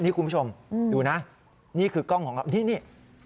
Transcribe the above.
นี่คุณผู้ชมดูนะนี่คือกล้องของเรานี่